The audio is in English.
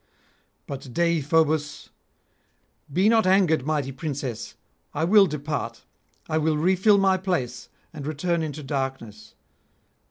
But Deïphobus: 'Be not angered, mighty priestess; I will depart, I will refill my place and return into darkness.